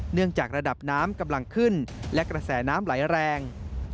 เนื่องจากระดับน้ำกำลังขึ้นและกระแสน้ำไหลแรง